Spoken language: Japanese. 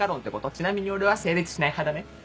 ちなみに俺は成立しない派だね。